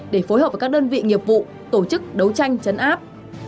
để phối hợp với các đơn vị nghiệp vụ tổ chức đấu tranh chấn áp